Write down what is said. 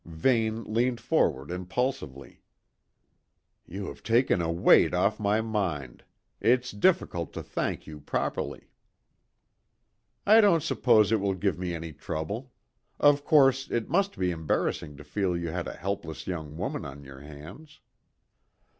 Vane leaned forward impulsively. "You have taken a weight off my mind. It's difficult to thank you properly." "I don't suppose it will give me any trouble. Of course, it must be embarrassing to feel you had a helpless young woman on your hands."